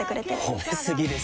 褒め過ぎですよ。